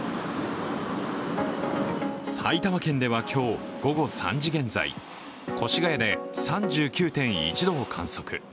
埼玉県では今日、午後３時現在、越谷で３９．１度を観測。